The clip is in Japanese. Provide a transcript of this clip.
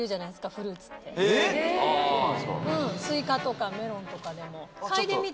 スイカとかメロンとかでも。